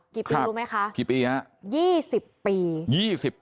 กี่ปีรู้ไหมคะ๒๐ปี